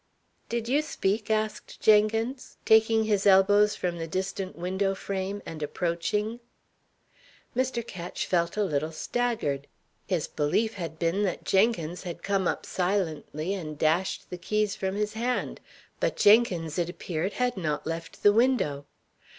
"Did you speak?" asked Jenkins, taking his elbows from the distant window frame, and approaching. Mr. Ketch felt a little staggered. His belief had been that Jenkins had come up silently, and dashed the keys from his hand; but Jenkins, it appeared, had not left the window.